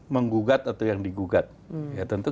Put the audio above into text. menggugat atau yang digugat ya tentu